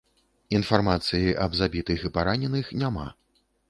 Інфармацыі аб забітых і параненых няма.